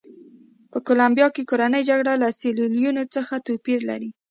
په کولمبیا کې کورنۍ جګړه له سیریلیون څخه توپیر لري.